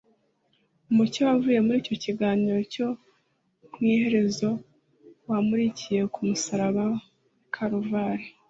Umucyo wavuye muri icyo kiganiro cyo mu mwiherero wamurikiye ku musaraba w’i Kaluvari,